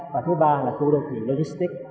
và thứ ba là khu đô thị logistics